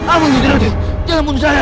ambon ratu tidak mungkin saya